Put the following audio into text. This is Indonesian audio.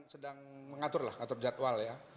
sedang mengatur jadwal ya